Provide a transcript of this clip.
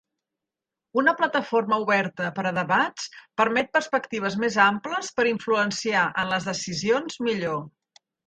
Una plataforma oberta per a debats permet perspectives més amples per influenciar en les decisions millor.